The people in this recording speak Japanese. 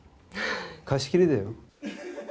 貸し切りだよ。